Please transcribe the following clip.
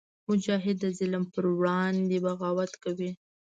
مجاهد د ظلم پر وړاندې بغاوت کوي.